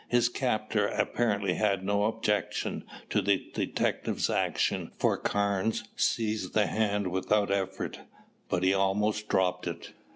His captor apparently had no objection to the detective's action for Carnes seized the hand without effort. But he almost dropped it.